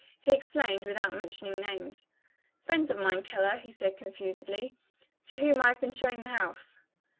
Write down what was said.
He explained, without mentioning names. "Friends of mine, Keller," he said confusedly, "to whom I have been showing the house."